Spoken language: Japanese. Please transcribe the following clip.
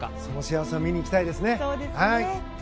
その幸せを見に行きたいですね。